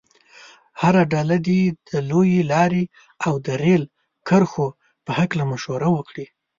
هره ډله دې د لویې لارې او د ریل کرښو په هلکه مشوره وکړي.